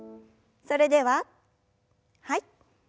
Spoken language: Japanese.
それでははい。